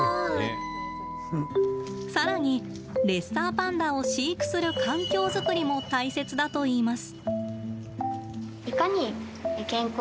さらに、レッサーパンダを飼育する環境作りも大切だといいます。